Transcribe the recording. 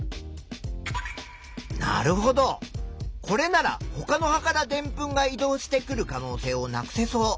なるほどこれならほかの葉からでんぷんが移動してくる可能性をなくせそう。